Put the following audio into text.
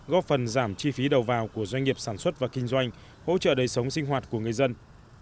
góp phần giảm chi phí đầu vào của doanh nghiệp sản xuất và kinh doanh hỗ trợ đời sống sinh hoạt của người dân